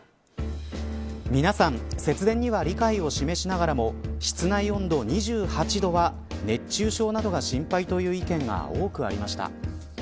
皆さん、節電には理解を示しながらも室内温度２８度は熱中症などが心配という意見が多くありました。